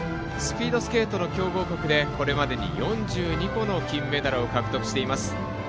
スピードスケートの強豪国でこれまでに４２個の金メダルを獲得しています。